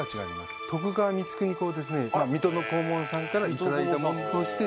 水戸の黄門さんから頂いたものとして。